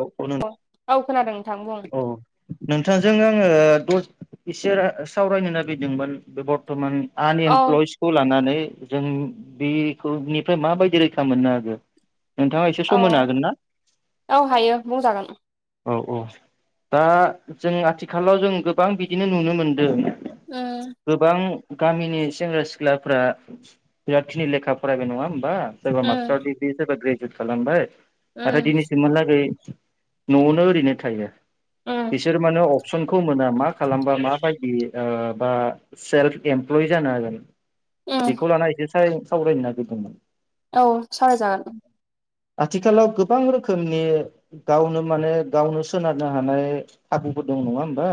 औ औ खोनादों नोंथां बुं औ नोंथांजों इसे सावरायनो नागिदोंमोन बे थमान औ आनइमप्लयसखौ लानानै। जों बेखौब निफ्राय माबायदि रैखा मोननो हागो। नोंथाङा एसे औ सम होनो हागोन ना? औ हायो बुंजागोन। औ औ दा जों आथिखालाव जों गोबां बिदिनो नुनो मोनदों उम गोबां गामिनि सेंग्रा सिख्लाफ्रा बिराद खिनि लेखा फरायबाय नङा होमबा? सोरबा मास्टार उम डिग्रि सोरबा ग्रेजुवेट खालामबाय नाथाय उम दिनैसिमहालागै न'आवनो ओरैनो थायो। उम बिसोर मानो अ समखौ मोना मा खालामबा माबायदि ओ बा सेल्फ इमप्लय जानो हागोन उम बेखौ लाना एसे साय सावरायनो नागिरदोंमोन। औ सावराय जागोन। आथिखालाव गोबां रोखोमनि गावनो माने गावनो सोनारनो हानाय खाबुफोर दं नङा होमबा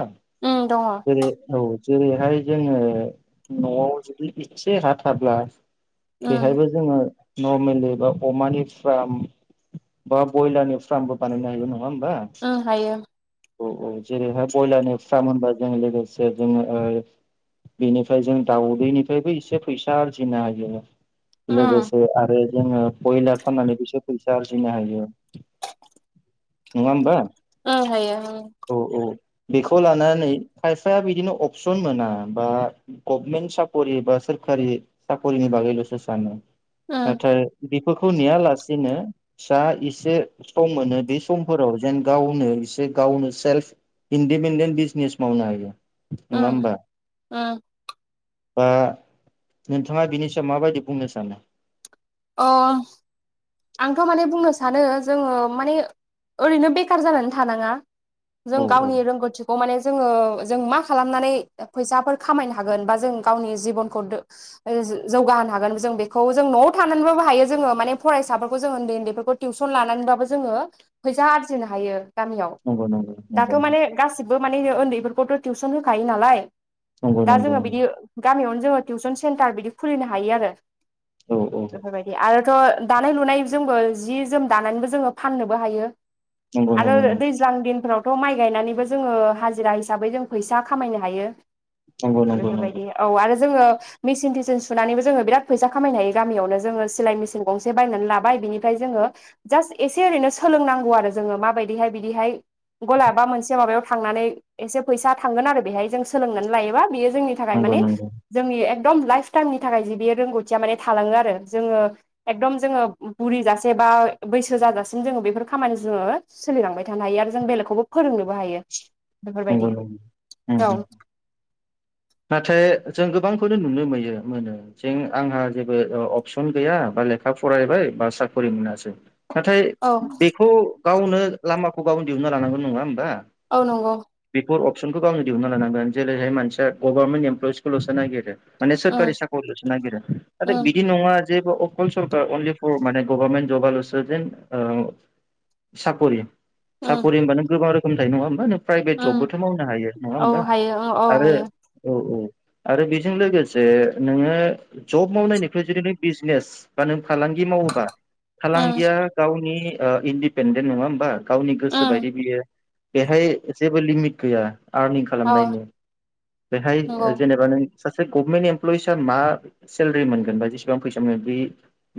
उम दङ जेरै औ जेरैहाय जोङो न'आव जुदि एसे हा थाब्ला उम बेहायबो जोङो नर्मेलि बा अमानि फार्म बा बयलारनि फार्मबो बानायनो हायो नङा होमबा? उम हायो औ औ जेरैहाय बयलारनि फार्म होनबा जों लोगोसे जोङो ओ बेनिफाय जों दाउदैनिफाय‍बो एसे फैसा आरजिनो हायो। उम लोगोसे आरो जोङो कयलार फाननानै बिसोर फैसा आरजिनो हायो। नङा होमबा? ओं हायो ओं। औ औ बेखौ लानानै खायफाया बिदिनो अपसन मोना बा गभमेन्ट साखरि बा सोर खारि साखरिनि बागैल'सो सानो। उम नाथाय बेफोरखौ नेया लासेनो फिसा एसे सम मोनो बे समफोराव जेन गावनो एसे गावनो सेल्फ इन्डिपेनडेन्ट बिजनेस मावनो हायो। उम उम। ओ नोंथाङा बिनि सायाव माबायदि बुंनो सानो? अह थ' माने बुंनो सानो जोङो माने ओरैनो बेखार जानानै थानाङा। जों औ औ गावनि रोंगौथिखौ माने जोङो‌ जों मा खालामनानै फैसाफोर खामायनो हागोन बा जों गावनि जिबनखौ दो ओ ज जौगा हागोन जों बेखौ जों न'आव थानानैबाबो हायो। जोङो माने फराय साफोरखौ जों उन्दै उन्दैफोरखौ टिउसन लानानैबाबो जोङो फैसा आरजिनो हायो‌ गामियाव। नंगौ नंगौ दाथ' नंगौ माने गासिबबो माने ओन्दैफोरखौथ' टिउसन होखायो नालाय नंगौ दा जोङो बिदि नंगौ गामियावनो जोङो टिउसन सेन्टार बिदि खुलिनो हायो आरो। औ औ बेफोरबायदि। आरोथ' दानाय लुनाय जोंबो जि जोम दानानैबो जोङो फाननोबो हायो नंगौ आरो नंगौ ओ दैज्लां दिनफोराव थ' माइ गायनानैबो जोङो हाजिरा हिसाबै जों फैसा खामायनो हायो। नंगौ नंगौ नंगौ बेफोरबायदि औ आरो जोंङो मेचिन थिसिन सुनानैबो जोंङो बिराद फैसा खामायनो हायो गामियावनो जोंङो सिलाय मिचिन गंसे बायनानै लाबाय बिनिफाय जोङो जास्ट एसे ओरैनो सोलोंनांगौ आरो जोङो माबायदिहाय बिदिहाय गला बा मोनसे माबायाव थांनानै एसे फैसा थांगोन आरो बेहाय जों सोलोंनानै लायोबा बियो जोंनि थाखाय नंगौ माने नंगौ जोंनि एक दम लाइफ टाइमनि थाखाय जे बेयो रोंगौथिया माने थलाङो आरो जोङो एकदम जोङो बुरिजासे बा बैसो जाजासिम जोङो बेफोर खामानि जोङो सोलिलांबाय थानो हायो आरो जों बेलेखौबो फोरोंनोबो हायो नंगौ बेफोरबायदि, नंगौ उम औ। उम नाथाय जों गोबांखौनो नुनो मोयो मोनो जों आंहा जेबो अ अपसन गैया बा लेखा फरायबाय बा साखरि मोनासै नाथाय औ बेखौ गावनो लामाखौ गावनो दिहुनना लानांगोन नङा होमबा? औ नंगौ बे अपसनखौ गावनो दिहुननो लानांगोन जेरैहाय मानया गभर्नमेन्ट इमप्लयिसखौ'सो नागिरो माने उम सोरखारि साखरिल'सो नागिरो नाथाय उम बिदि नङा अ सरखार अनलि फर गभारमेन्त जबा लसो जेन ओ साकरि उम साकरि होनबा गोबां रोखोमनि थायो नङा होमबा नों प्राइभेट उम जबबोथ' मावनो हायो नङा औ होमबा हायो उम औ आरो हायो औ- औ आरो बेजों लोगोसे नोङो जब मावनायनिफ्राय जुदि नों बिजनेस बा नों फालांगि मावोबा उम फालांगिया गावनि इन्दिपेन्डेन्ट नङा होमबा गावनि गोसो उम बायदि बियो बेहाय जेबो लिमिट गैया आर्निं औ खालामनायनि बेहाय नंगौ जेनेबा नों सासे गभमेन्ट इमप्लयिस मा सेलेरारि मोनगोन बा जेसेबां फैसा मोनो बे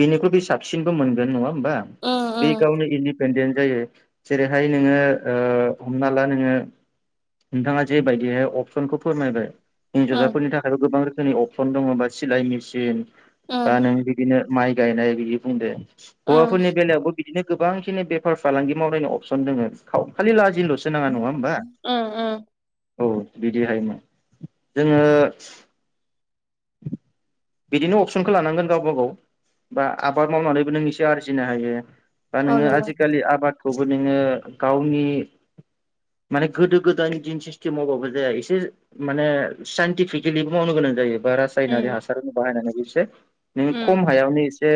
बेनिख्रुइ बे साबसिनबो मोनगोन नङा होमबा उम बे उम गावनि इ [unintelligible] जायो जेरैहाय नोङो हमना ला नोङो नोंथाङा जेबायदिहाय अपसनखौ फोरमायबाय उम हिन्जावाफोरनि थाखायबो गोबां रोखोमनि अपसन दङा सिलाइ मेसिन दा उम नों बिदिनो माइ गायनाय बिदि बुंदो उम हौवाफोरनि बेलायावबो बिदिनो गोबांखिनि बेफार - फालांगि मावनायनि अपसन दङ खालि लाजि [inaudible] औ बिदिहायोमोन जोङो बिदिनो अपसनखौ लानांगोन गावबा गाव बा आबाद मावनानैबो नों एसे आरजिनो हायो बा औ नोङो नंगौ आजिखालि आबादखौबो नोङो गावनि माने गोदो - गोदान दिन सिसटिेम मावबाबो जाया एसे माने साइन्टिफिकेलिबो मावनो गोनां जायो बा उम रासायनारि हासार होन बाहायनानै एसे नोङो खम उम हायावनो एसे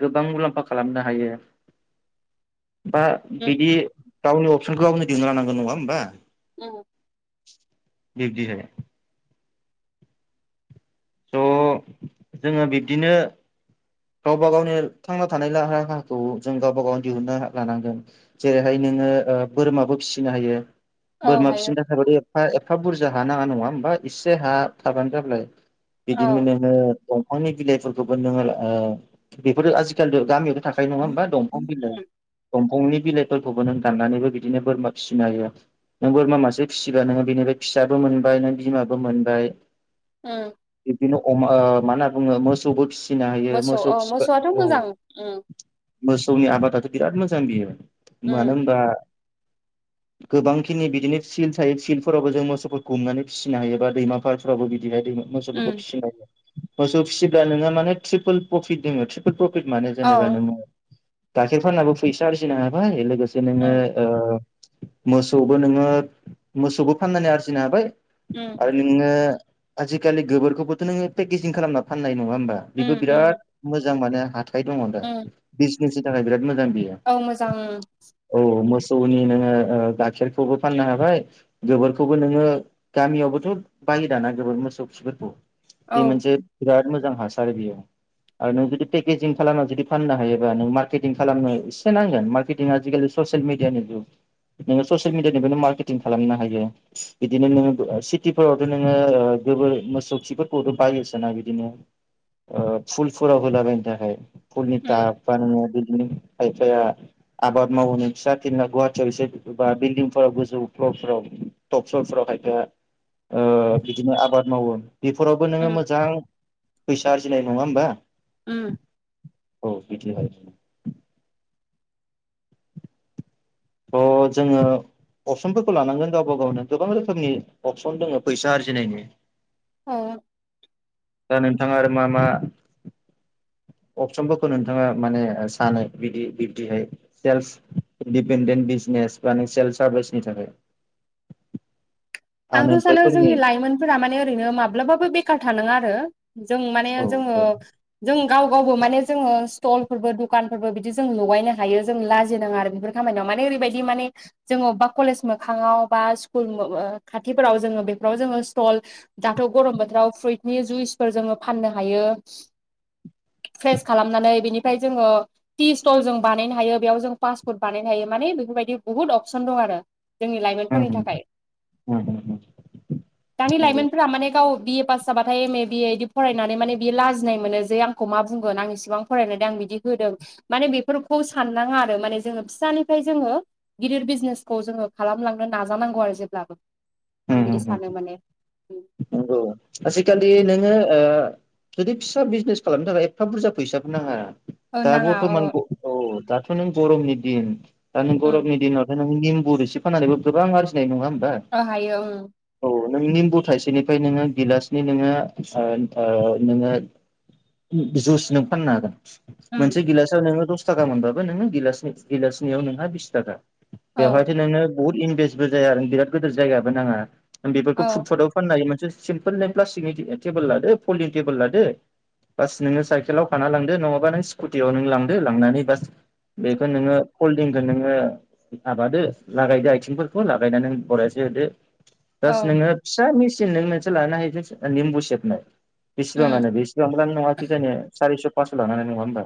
गोबां मुलाम्फा खालामनो हायो दा उम बिदि गावनि अपसनखौ गावनो दिहनो लानांगोन नङा होमबा औ बिबदि हाय जोङो बिब्दिनो गावबा गावनि थांना थानाय राहाखौ जों गावबा गाव दिहुननो लानांगोन जेरैहाय नोङो बोरमाबो फिसिनो हायो औ बोरमा हायो फिसिनो थाखाय थाखाय एफा एफा बुरजा हा नाङा नङा होमबा एसे हा थाबानो जाबाय औ बिदिनो नोङो दंफांनि बिलाइफोरखौबो नोङो बेफोरो आजिखाल गामियाव थाखाय नङा होमब्ला दंफां बिलाइ दंफां गंनि बिलाइफोरखौबो नों दाननानैबो बिदिनो बोरमा फिसिनो हायो नों बोरमा मासे फिसिबा नोङो बेनिफ्राय फिसाबो मोनबाय नों बिमाबो मोनबाय [inaudible] बिब्दिनो अमा मा होनना बुङो मोसौ फिना होयो मोसौ औ मोसौआथ' फिसिबाय औ मोजां उम मोसौनि आबादाथ' बिराद मोजां बियो मानो उम होनबा गोबांखिनि बिदिनो फिल्ड थायो फिल्डफोरावबो जों मोसौफोरखौ हमुमनानै फिसिनो हायो बा दैमा फालफोरावबो बिदि नाय द मोसौफोरखौ उम फिसिनायायो मोसौ फिसिब्ला नोङो माने ट्रिपोल प्रफिट दङो ट्रिपोल प्रफिट म औ जेनेबानोङो गाइखेर फाननाबो फैसा आरजिनो हाबाय एसे नोङो उम मोसौबो नोङो मोसौखौ फाननानै आरजिनो हाबाय उम आरो नोङो आजिखालि गोबोरखौबोथ' नोङो पेकेजिं खालामना फान ह बेबो उम बि उम मोजां मान हााइ दङ उम बिजने थाखाय मोजां औ मोजां औ म सौनि नोङो गाइखेरखौबो फाननो हाबाय गोबोरखौबो नोङो गामियावबोथ' दाना गोबोर मोसौ खिफोरखौ औ बे मोनसे बिराद मोजां हासार बेयाव आरो नों जुदि पेकेजिं खालामना जुदि फाननो हायोबा नों मार्केटिं खालामनो एसे नांगोन मार्केटिं आजिखालि ससियेल मिडिया नि नोंङो ससियेल मिडियानिफ्रायनो मार्केटिं खालामनो हायो बिदिनो नोंङो सिटिफोरावथ नोंङो गोबोर मोसौ खिफोर थ बायोसोना बिदिनो फुलफोराव होलाबायनो थाखाय पुरनिता उम बा नोंङो बिदिनो खायफाया आबाद मावहोनो फिसा थिला गुवाहाटियाव एसे बा बिल्डिंफोराव गोजौ फ्लरफोराव टप फ्लरफोराव [unintelligible] ओ बिदिनो आबाद मावो फोरावबो नोंङो उम मोजां फैसा आरजिनाय नङा होमबा उम औ बिदिहाय अह जोंङो अपसनफोरखौ लानांगोन गावबा गावनो गोबां रोखोमनि अपसन दङ फैसा आरजिनायनि औ दा नोंथाङा आरो मा मा अपसनफोरखौ नोंथाङा माने सानो बिदि बिब्दिहाय सेल्स इन्डिपेन्डेन्ट बि बिजनेस फायनेसियेल सार्भिसनि थाखाय आंथ सानो जोंनि आनएमप्लयफोरनि लाइमोनफोरा माने ओरैनो माब्लाबाबो बेखार थानाङा आरो जों माने औ जोंङो औ जों गाव गावबो माने जोंङो स्टलफोरबो दखानफोरबो बिदि जों लगायनो हायो जों लाजिनाङा आरो बेफोर खामानियाव माने ओरैबायदि माने जोंङो अबेबा कलेज मोखाङाव बा स्कुल खाथिफोराव जोंङो बेफोराव जोंङो स्टल दाथ गरम बोथोराव फ्रुइटनि जुइसफोर जोंङो फाननो हायो [inaudible] फ्रेस खालामनानै बेनिफ्राय जोंङो टि स्टल जों बानायनो हायो बेयाव जों पासट फुड बानायनो हायो माने बेफोरबायदि बुहुत अपसन दं आरो जोंनि लाइमोनफोरनि थाखाय दानि लाइमोनफोरा माने गाव बिए पास जाबाथाय एम ए बिए बिदि फरायनानै माने बियो लाजिनाय मोनो जे आंखौ मा बुंगोन आं इसेबां फरायनानै आं बि होदों माने बेफोरखौ साननाङा आरो माने जों फिसानिनिफ्राय जोंङो गिदिर बिजनेस फुखौ जोंङो खालामलांनो नाजानांगौ आरो जेब्लाबो आं बिदि सानो माने नंगौ आजिखालि नोंङो ओ जुदि फिसा बिजनेस खालामनो थाखाय एफा बुरजा फैसाबो नाङा औ दा नाङा औ बर्थमान औ दाथ नों गरमनि दिन दा नों उम गरमनि दिनावथ नों निम्बुर एसे फाननानैबो गोबां आरजिनाय नङा अह हायो नोंनि निमबुथाइसेनिफ्राय नोंङो गिलासनै नोंङो ओ ओ नोंङो जुस नों फाननो हागोन उम मोनसे गिलासआव नोंङो दस थाखा मोनबाबो नोंङो गिलास गिलासनैयाव नोंहा बिस थाखा औ बेवहायथ नोंङो बहुत इनभेस्टबो जाया आरो बिराद गिदिर जायगाबो नाङा बेफोरखौ औ फुटपटाव फाननानै मोनसे सिम्पोल ए प्लास्टिकनि टेबोल लादो पलिन टेबोल लादो बास नोंङो साइकेलाव खाना लांदो नङाबा नों स्कुटियाव नों लांदो लांनानै बास बेखौ नोंङो कलडंखौ नोंङो माबादो लागायदो आथिंफोरखौ लागायनानै नों बरायसे होदो बस औ नोंङो फिसा मेचिन नों मोनसे लानो हायो निम्बु सेबनो बेसेबां उम लानो बेसेबांबानो नङा खि जानिया सारिस' पास्स' लानानै नङा होनबा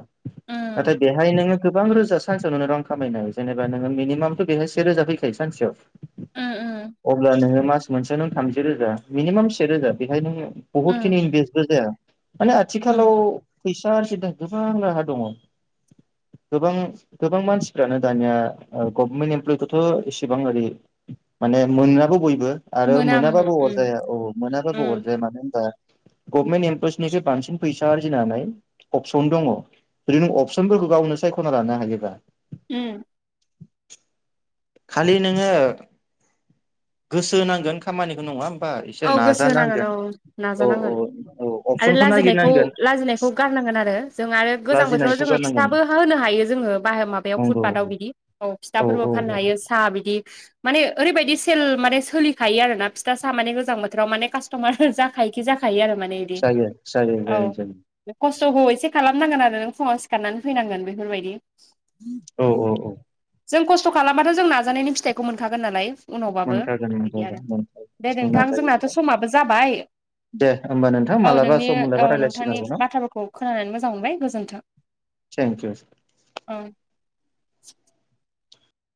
उम नाथाय बेहाय नोंङो गोबां रोजा सानस नुनो रां खामायनोहायो जेनेबा नोंङो मिनिमामथ बेहाय से रोजा फैखायो सान [inaudible] उम उम अब्ला नोंङो मास मोनसेआव नो थामजि रोजा मिनिमाम से रोजा बेहाय नों बहुत उम खिनि इनभेसबो जाया माने उम आथिखालाव फैसा [inaudible] गोबां राहा दङ गोबां गोबां मानसिफ्रानो दानिया गभमेन्ट इमप्लयखौथ एसेबां ओरै माने मोनाबो बयबो आरो मोना उम मोनाबाबो उम अरजाया औ मोनाबाबो उम अरजाया मानो होनबा [unintelligible] गभमेन्ट एमप्लयसनिसो बांसिन फैसा आरजिनानै अपसन दङ ओरैनो अपसनफोरखौ गावनो सा खना लानो हायोबा उम खालि नोङो गोसो होनांगोन खामानिखौ नङा होम औ गोसो होनांगोन औ औ औ नाजानांगोन औ आरो अपसनखौ लाजिनायखौ नागिरनांगोन लाजिनायखौ गारना नांगोन आरो जों आरो गोजां बोथोराव लाजिनायखौ जोङो गारनांगोन फिथाबो होनो हायो जोङो बाह माबायाव नंगौ फुटपाटाव बिदि औ। फिथाफोरबो औ फाननो औ हायो साहा बिदि माने ओरैबायदि सेल माने सोलिखायो आरोना फिथा सा माने गोजां बोथोराव माने कास्ट'मार जाखायोखि जाखायो आरो। माने इदि जायो जायो औ जायो जायो खस्थ'खौ एसे खालामनांगोन आरो नों फुङाव सिखारनानै फैनांगोन बेफोरबायदि। औ औ औ जों खस्थ' खालामबाथ' जों नाजानायनि फिथाइखौ मोनखागोन नालाय उनावबाबो मोनखागोन बिदि आरो मोनखागोन मोनखागोन दे दोन जों नोंथां जोंनाथ' नाजायो समाबो जाबाय दे होमबा नोंथां औ मालाबा नोंनि सम मोनलाबा औ रायज्लायसिगोन नोंथांनि आरोबाव न बाथ्राफोरखौ खोनानानै मोजां मोनबाय गोजोन्थों। थेंक इउ औ [inaudible]